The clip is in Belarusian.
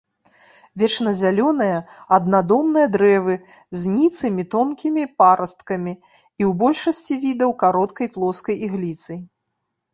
Вечназялёныя, аднадомныя дрэвы з ніцымі тонкімі парасткамі і ў большасці відаў кароткай плоскай ігліцай.